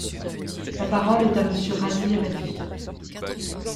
La parole est à Monsieur Razzy Hammadi.